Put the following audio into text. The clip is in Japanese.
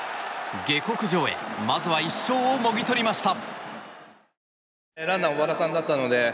下克上へまずは１勝をもぎ取りました。